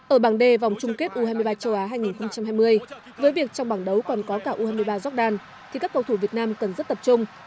ở bảng đề vòng chung kết u hai mươi ba châu á hai nghìn hai mươi với việc trong bảng đấu còn có cả u hai mươi ba jordan thì các cầu thủ việt nam cần rất tập trung